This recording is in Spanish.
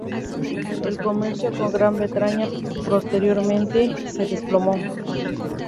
El comercio con Gran Bretaña posteriormente se desplomó.